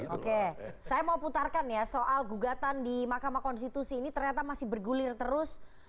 oke saya mau putarkan ya soal gugatan di mahkamah konstitusi ini ternyata masih bergulir terus